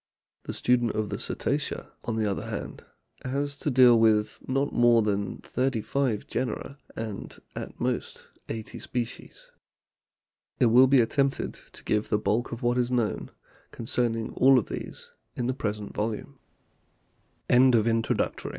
The student of the Cetacea, on the other hand, has to deal with not more than thirty five genera and at most eighty species. It will be attempted to give the bulk of what is known con cerning all of these in the present volume. A